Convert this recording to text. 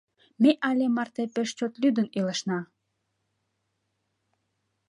Ме але марте пеш чот лӱдын илышна.